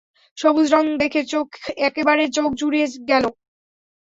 সবুজ রং দেখে চোখ একেবারে চোখ জুড়িয়ে গেলো।